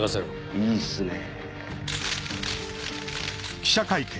いいっすねぇ。